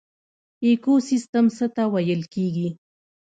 ایکوسیستم څه ته ویل کیږي